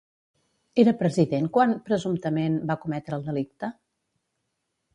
Era president quan, presumptament, va cometre el delicte?